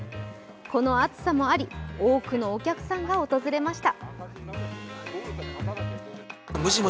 この暑さもあり、多くのお客さんが訪れました。